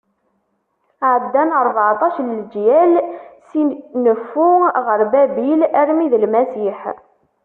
Ɛeddan rbeɛṭac n leǧyal si neffu ɣer Babil armi d Lmasiḥ.